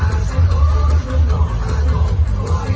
ลอยให้กลับให้หลาย